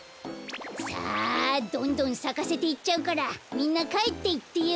さあどんどんさかせていっちゃうからみんなかえっていってよ。